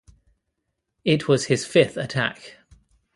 It was his fifth attack.